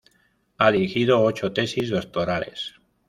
Ha dirigido ocho tesis doctorales.